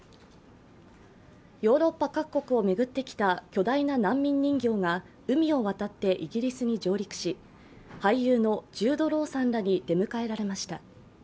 ヨーロッパ各国を巡ってきた巨大な難民人形が海を渡ってイギリスに上陸し俳優のジュード・ロウさんらに出迎えられました。